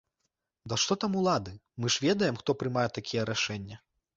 Ды што там улады, мы ж ведаем, хто прымае такія рашэнне.